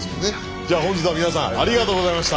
じゃあ本日は皆さんありがとうございました。